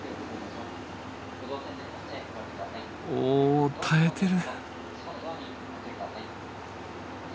おお耐えてる。